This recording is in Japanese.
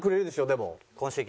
でも。